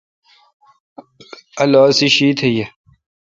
اولو اسی شیشت یہ۔